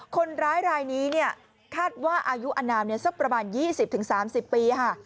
คนร้ายรายนี้คาดว่าอายุอนามสักประมาณ๒๐๓๐ปีค่ะ